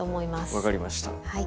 分かりました。